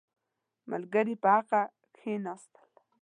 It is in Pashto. • ملګري په حلقه کښېناستل.